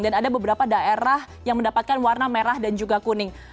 dan ada beberapa daerah yang mendapatkan warna merah dan juga kuning